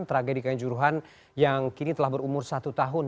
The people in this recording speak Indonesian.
tragedi kaya juruhan yang kini telah berumur satu tahun